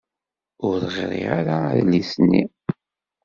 Ur ɣriɣ ara adlis-nni.